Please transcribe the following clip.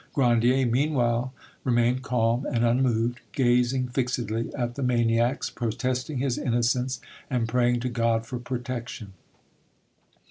Grandier meanwhile remained calm and unmoved, gazing fixedly at the maniacs, protesting his innocence, and praying to God for protection.